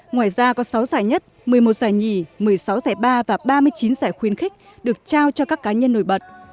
ngoài ra có sáu giải nhất một mươi một giải nhì một mươi sáu giải ba và ba mươi chín giải khuyên khích được trao cho các cá nhân nổi bật